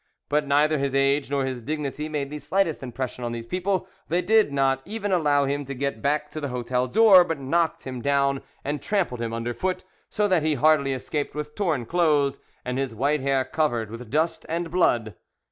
But neither his age nor his dignity made the slightest impression on these people; they did not even allow him to get back to the hotel door, but knocked him down and trampled him under foot, so that he hardly escaped with torn clothes and his white hair covered with dust and blood.